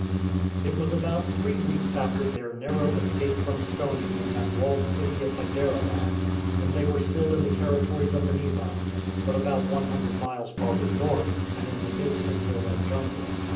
It was about three weeks after their narrow escape from stoning in that walled city of Hyderabad, and they were still in the territories of the Nizam, but about one hundred miles farther north and in the midst of hill and jungle.